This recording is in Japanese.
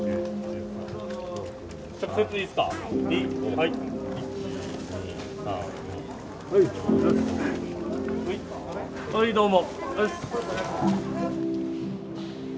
はいどうも。